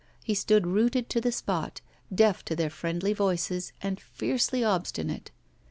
He stood rooted to the spot, deaf to their friendly voices, and fiercely obstinate.